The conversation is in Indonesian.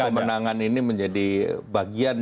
ya tentu pemenangan ini menjadi bagian